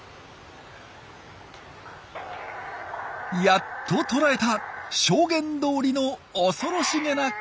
やっと捉えた証言どおりの恐ろしげな声。